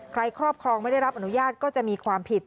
ครอบครองไม่ได้รับอนุญาตก็จะมีความผิด